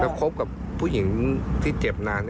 แล้วคบกับผู้หญิงที่เจ็บนาน